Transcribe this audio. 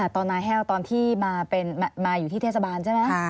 ตอนนายแห้วตอนที่มาอยู่ที่เทศบาลใช่ไหม